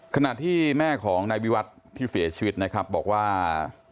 ขณะที่แม่ของนายวิวัตรที่เสียชีวิตนะครับบอกว่า